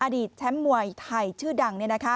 อดีตแช่มมวยไทยชื่อดัง